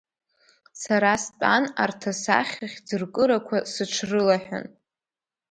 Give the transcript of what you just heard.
Сара стәан арҭ асахьа хьӡыркырақәа сыҽрылаҳәан.